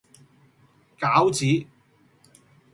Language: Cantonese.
餃子